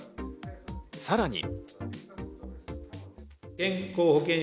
さらに。